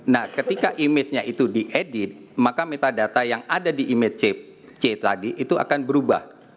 nah ketika image nya itu diedit maka metadata yang ada di image c tadi itu akan berubah